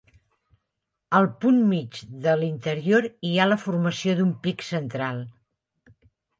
Al punt mig de l'interior hi ha la formació d'un pic central.